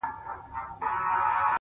o سم به خو دوى راپسي مه ږغوه،